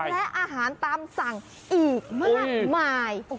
และอาหารตามสั่งอีกมากมาย